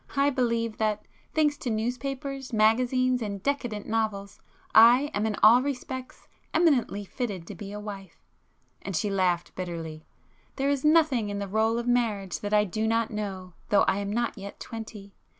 I believe that, thanks to newspapers, magazines and 'decadent' novels, I am in all respects eminently fitted to be a wife!" and she laughed bitterly—"There is nothing in the rôle of marriage that I do not know, though I am not yet twenty.